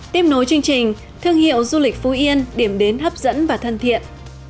tiếp nối chương trình thương hiệu du lịch phú yên điểm đến hấp dẫn và thân thiện